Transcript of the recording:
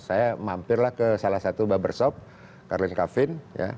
saya mampirlah ke salah satu barbershop carlin kavin